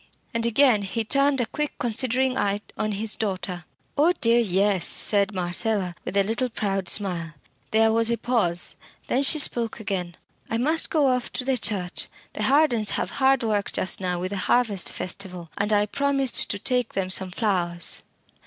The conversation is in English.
And again he turned a quick considering eye on his daughter. "Oh dear! yes," said Marcella, with a little proud smile. There was a pause; then she spoke again. "I must go off to the church; the Hardens have hard work just now with the harvest festival, and I promised to take them some flowers."